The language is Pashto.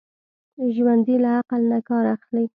ژوندي له عقل نه کار اخلي